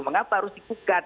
mengapa harus dikugat